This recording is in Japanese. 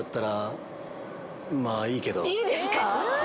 いいですか？